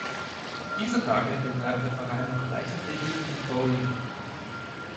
Dieser Tage betreibt der Verein noch Leichtathletik und Bowling.